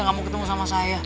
gak mau ketemu sama saya